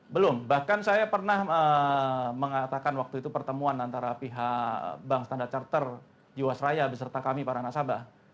belum bahkan saya pernah mengatakan waktu itu pertemuan antara pihak bank standar charter jiwasraya beserta kami para nasabah